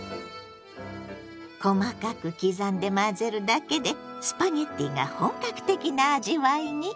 細かく刻んで混ぜるだけでスパゲッティが本格的な味わいに。